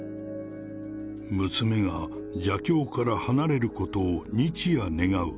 娘が邪教から離れることを、日夜願う。